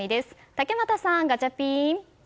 竹俣さん、ガチャピン。